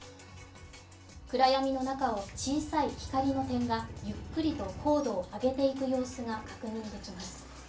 暗闇の中を小さい光の点がゆっくりと高度を上げていく様子が確認できます。